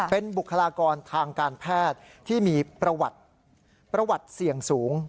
เป็นบุคลากรทางการแพทย์ที่มีประวัติเสี่ยงสูง